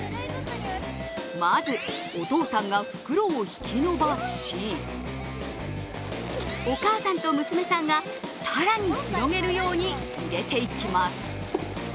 まず、お父さんが袋を引き伸ばしお母さんと娘さんが、更に広げるように入れていきます。